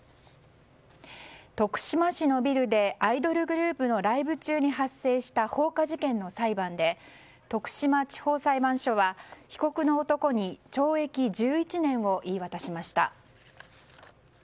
徳島市のビルでアイドルグループのライブ中に発生した放火事件の裁判で徳島地方裁判所は被告の男に懲役１１年の判決を言い渡しました。